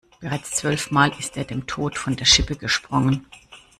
Bereits zwölf Mal ist er dem Tod von der Schippe gesprungen.